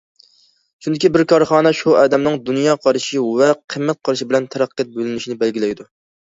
چۈنكى بىر كارخانا شۇ ئادەمنىڭ دۇنيا قارىشى ۋە قىممەت قارىشى بىلەن تەرەققىيات يۆلىنىشىنى بەلگىلەيدۇ.